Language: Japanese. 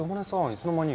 いつの間に。